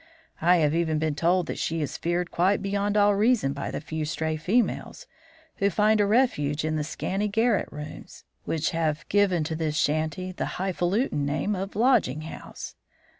I have even been told that she is feared quite beyond all reason by the few stray females who find a refuge in the scanty garret rooms, which have given to this shanty the highfalutin name of lodging house.